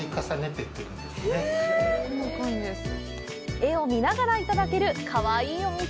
絵を見ながらいただけるかわいいお店。